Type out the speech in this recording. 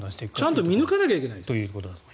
ちゃんと見抜かなきゃいけない。